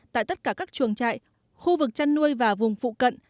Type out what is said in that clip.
tại tất cả các chuồng trại khu vực chăn nuôi và vùng phụ cận